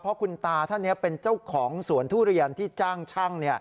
เพราะคุณตาท่านนี้เป็นเจ้าของสวนทุเรียนที่จ้างช่าง